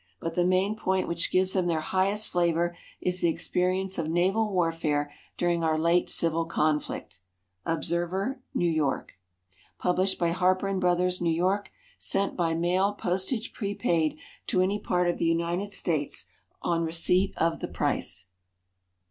But the main point which gives them their highest flavor is the experience of naval warfare during our late civil conflict. Observer, N. Y. Published by HARPER & BROTHERS, N. Y. _Sent by mail, postage prepaid, to any part of the United States, on receipt of the price.